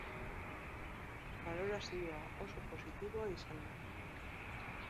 Balorazioa oso positiboa izan da.